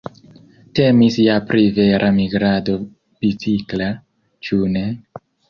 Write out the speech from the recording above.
Temis ja pri vera migrado bicikla, ĉu ne?